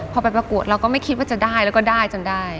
พอไปประกวดเราก็ไม่คิดว่าจะได้แล้วก็ได้จนได้